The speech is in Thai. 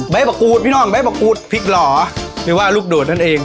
มะกูดพี่น้องใบมะกรูดพริกหล่อหรือว่าลูกโดดนั่นเอง